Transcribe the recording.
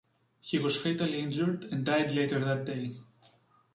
He was fatally injured and died later that day.